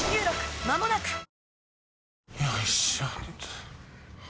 まもなく！